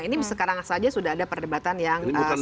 ini sekarang saja sudah ada perdebatan yang